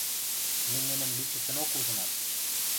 Мӹнь нӹнӹм лишӹцӹнок ужынам.